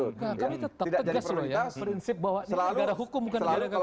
kami tetap tegas loh ya prinsip bahwa ini negara hukum bukan negara agama